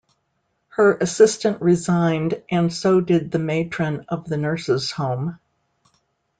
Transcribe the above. Her assistant resigned and so did the matron of the nurses' home.